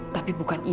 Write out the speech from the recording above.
tapi bukan aku